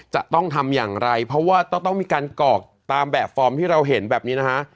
จะต้องทำอย่างไรเพราะว่าต้องมีการกรอกตามแบบฟอร์มที่เราเห็นแบบนี้นะฮะ